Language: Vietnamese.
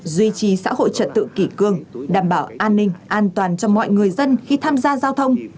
duy trì xã hội trật tự kỷ cương đảm bảo an ninh an toàn cho mọi người dân khi tham gia giao thông